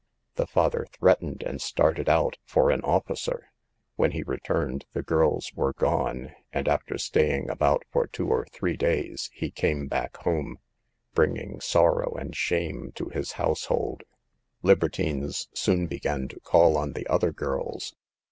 The father threatened and started out for an officer. When he returned, the girls were gone, and after staying about for two or three days, he came back home, bringing sorrow and shame to his household. " Libertines soon began to call on the other girls.